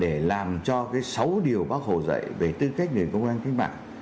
để làm cho cái sáu điều bác hồ dạy về tư cách người công an kinh mạng